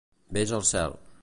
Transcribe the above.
Ves al cel.